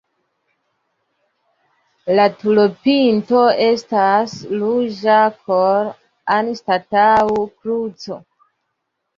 La turopinto estas ruĝa koro anstataŭ kruco.